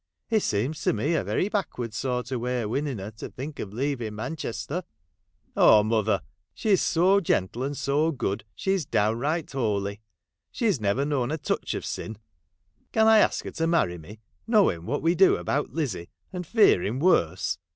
It seems to me a very backwards sort o' way of winning her to think of leaving Manchester.' ' Oh mother, she 's so gentle and so good, — she 's downright holy. She 's never known a touch of sin ; and can I ask her to marry me, knowing what we do about Lizzie, and fearing worse